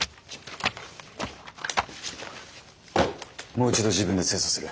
もう一度自分で精査する。